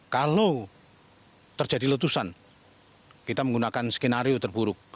kalau terjadi letusan kita menggunakan skenario terburuk